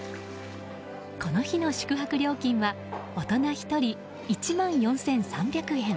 この日の宿泊料金は大人１人１万４３００円。